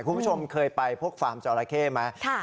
คุณผู้ชมเคยไปพวกฟาร์มจอราเข้ไหม